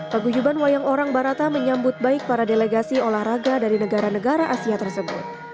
paguyuban wayang orang barata menyambut baik para delegasi olahraga dari negara negara asia tersebut